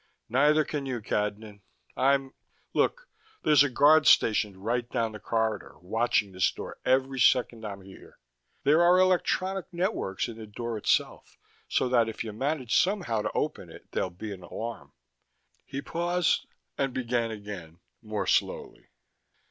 "Neither can you, Cadnan. I'm look, there's a guard stationed right down the corridor, watching this door every second I'm here. There are electronic networks in the door itself, so that if you manage somehow to open it there'll be an alarm." He paused, and began again, more slowly.